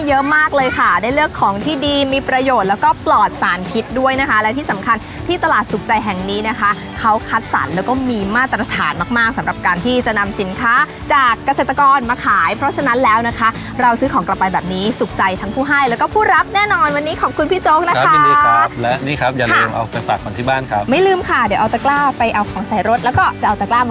เยอะมากเลยค่ะได้เลือกของที่ดีมีประโยชน์แล้วก็ปลอดสารพิษด้วยนะคะและที่สำคัญที่ตลาดสุขใจแห่งนี้นะคะเขาคัดสรรค์แล้วก็มีมาตรฐานมากมากสำหรับการที่จะนำสินค้าจากเกษตรกรมาขายเพราะฉะนั้นแล้วนะคะเราซื้อของกลับไปแบบนี้สุขใจทั้งผู้ให้แล้วก็ผู้รับแน่นอนวันนี้ขอบคุณพี่โจ๊กนะคะครับยินดีครับ